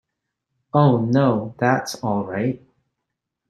Oh, no, that's all right.